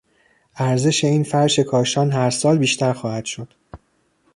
ارزش این فرش کاشان هر سال بیشتر خواهد شد.